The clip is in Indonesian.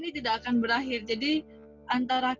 mimpi saya men postal lupa mengerti apa apa